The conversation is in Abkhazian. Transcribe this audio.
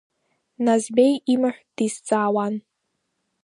Назбеи имаҳә дизҵаауан.